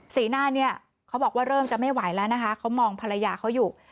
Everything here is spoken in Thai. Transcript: สีหน้าเนี่ยเขาบอกว่าเริ่มจะไม่ไหวแล้วนะคะเขามองภรรยาเขาอยู่